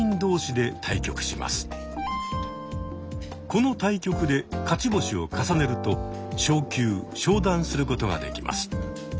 この対局で勝ち星を重ねると昇級昇段することができます。